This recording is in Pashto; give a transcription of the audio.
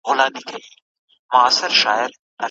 کله چې خلک قانون ته درناوی وکړي، ټولنه خوندي پاتې کېږي.